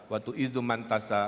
watu idu mantasa